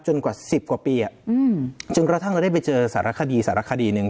กว่า๑๐กว่าปีจนกระทั่งเราได้ไปเจอสารคดีสารคดีหนึ่ง